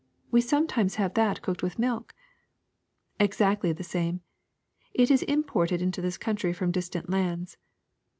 ^^We sometimes have that cooked with milk." *^ Exactly the same. It is imported into this coun try from distant lands.